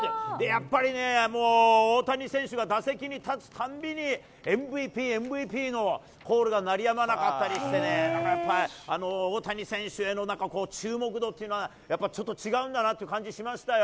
やっぱりね、大谷選手が打席に立つたんびに、ＭＶＰ、ＭＶＰのコールが鳴りやまなかったりしてね、やっぱり、大谷選手への注目度っていうのは、やっぱちょっと違うんだなという感じがしましたよ。